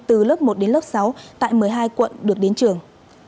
từ lớp một sáu tại một mươi hai quận được đến trường